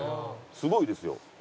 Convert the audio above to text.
すごいですよ！